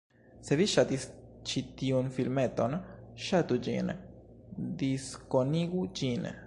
Se vi ŝatis ĉi tiun filmeton, ŝatu ĝin, diskonigu ĝin